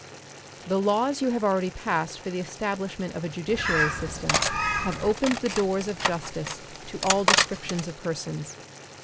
The laws you have already passed for the establishment of a judiciary system have opened the doors of justice to all descriptions of persons.